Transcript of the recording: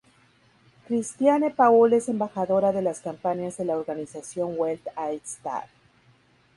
Christiane Paul es embajadora de las campañas de la organización Welt-Aids-Tag.